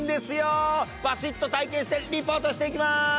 バチッと体験してリポートしていきます！